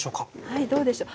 はいどうでしょう。